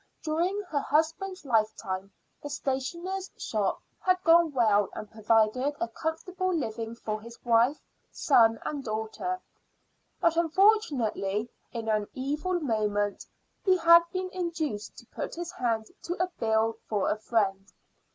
During her husband's lifetime the stationer's shop had gone well and provided a comfortable living for his wife, son, and daughter. But unfortunately, in an evil moment he had been induced to put his hand to a bill for a friend.